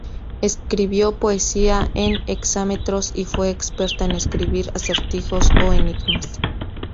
Escribió poesía en hexámetros, y fue experta en escribir acertijos o enigmas.